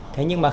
thế nhưng mà khi